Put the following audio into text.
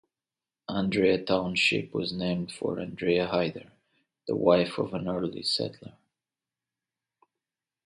Andrea Township was named for Andrea Heider, the wife of an early settler.